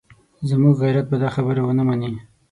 زموږ غیرت به دا خبره ونه مني.